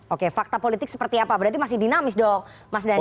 oke fakta politik seperti apa berarti masih dinamis dong mas dhani